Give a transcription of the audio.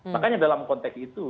makanya dalam konteks itu